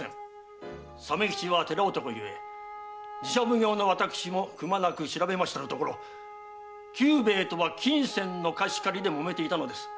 鮫吉は寺男ゆえ寺社奉行の私もくまなく調べましたところ久兵衛とは金銭の貸し借りでもめていたのです。